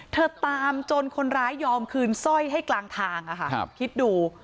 ตามจนคนร้ายยอมคืนสร้อยให้กลางทางคิดดู